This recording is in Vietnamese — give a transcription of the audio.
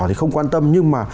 thì không quan tâm nhưng mà